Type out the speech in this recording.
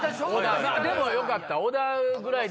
でもよかった。